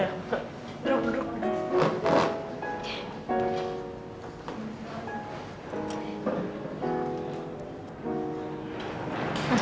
duduk duduk duduk